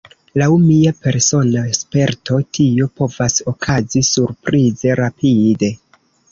Laŭ mia persona sperto, tio povas okazi surprize rapide.